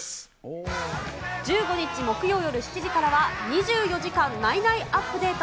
１５日木曜夜７時からは、２４時間ナイナイアップデート！！